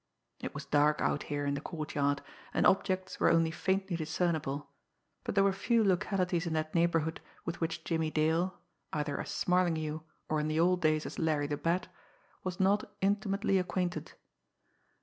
It was dark out here in the courtyard, and objects were only faintly discernible; but there were few localities in that neighbourhood with which Jimmie Dale, either as Smarlinghue, or in the old days as Larry the Bat, was not intimately acquainted.